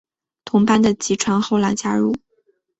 同班的吉川后来加入。